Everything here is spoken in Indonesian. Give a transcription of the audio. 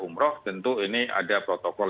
umroh tentu ini ada protokol